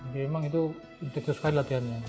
jadi memang itu intikus kali latihannya